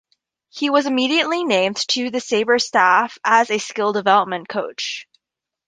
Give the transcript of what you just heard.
He was immediately named to the Sabres' staff as a skill development coach.